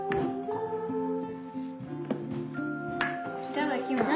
いただきます。